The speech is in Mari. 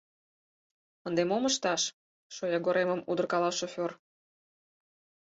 — Ынде мом ышташ? — шоягоремым удыркала шофёр.